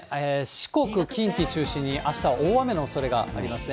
四国、近畿中心に、あしたは大雨のおそれがありますね。